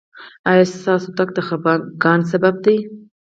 ایا ستاسو تګ د خفګان سبب دی؟